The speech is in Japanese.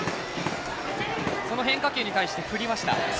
その変化球に対して振りました。